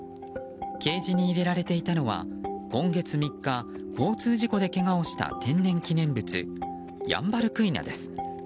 ケージに入れられていたのは今月３日交通事故でけがをした天然記念物ヤンバルクイナです。